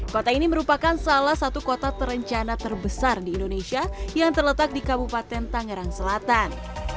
kota ini merupakan salah satu kota terencana terbesar di indonesia yang terletak di kabupaten tangerang selatan